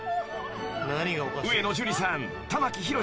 ［上野樹里さん玉木宏さん